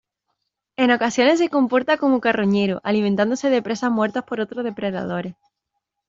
En ocasiones se comporta como carroñero, alimentándose de presas muertas por otros depredadores.